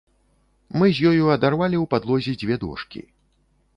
Мы з ёю адарвалі ў падлозе дзве дошкі.